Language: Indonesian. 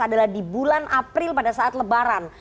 adalah di bulan april pada saat lebaran